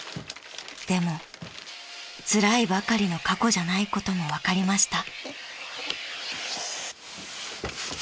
［でもつらいばかりの過去じゃないことも分かりました］